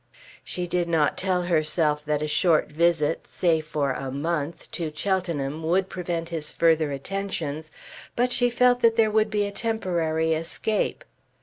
She did not tell herself that a short visit, say for a month, to Cheltenham, would prevent his further attentions, but she felt that there would be a temporary escape.